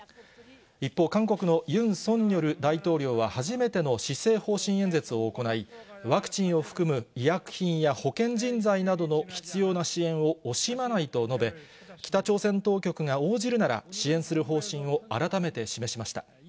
一方、韓国のユン・ソンニョル大統領は初めての施政方針演説を行い、ワクチンを含む医薬品や保健人材などの必要な支援を惜しまないと述べ、北朝鮮当局が応じるなら、支援する方針を改めて示しました。